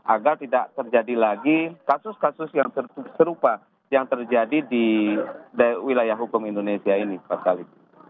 agar tidak terjadi lagi kasus kasus yang serupa yang terjadi di wilayah hukum indonesia ini pak salib